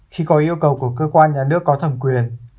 khi có yêu cầu của cơ quan nhà nước có thẩm quyền